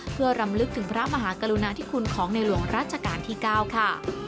เพื่อรำลึกถึงพระมหากรุณาธิคุณของในหลวงรัชกาลที่๙ค่ะ